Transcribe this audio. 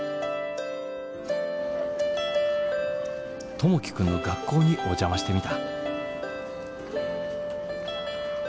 友輝君の学校にお邪魔してみた。